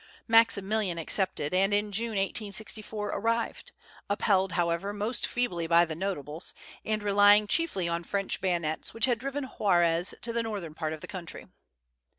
Maximilian accepted, and in June, 1864, arrived, upheld, however, most feebly by the "Notables," and relying chiefly on French bayonets, which had driven Juarez to the northern part of the country.